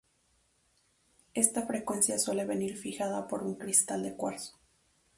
Esta frecuencia suele venir fijada por un cristal de cuarzo.